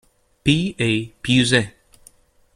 P. A. Piuze.